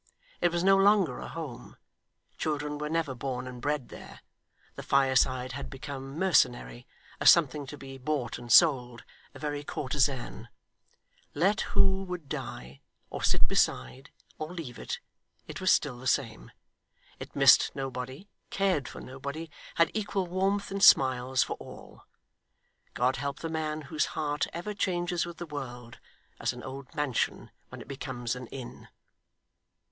It was no longer a home; children were never born and bred there; the fireside had become mercenary a something to be bought and sold a very courtezan: let who would die, or sit beside, or leave it, it was still the same it missed nobody, cared for nobody, had equal warmth and smiles for all. God help the man whose heart ever changes with the world, as an old mansion when it becomes an inn!